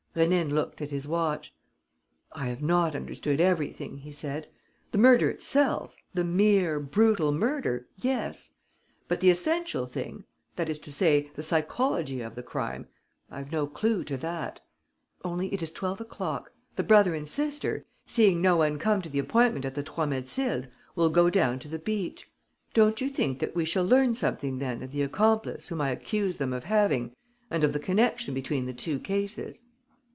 Rénine looked at his watch: "I have not understood everything," he said. "The murder itself, the mere brutal murder, yes. But the essential thing, that is to say, the psychology of the crime: I've no clue to that. Only, it is twelve o'clock. The brother and sister, seeing no one come to the appointment at the Trois Mathildes, will go down to the beach. Don't you think that we shall learn something then of the accomplice whom I accuse them of having and of the connection between the two cases?"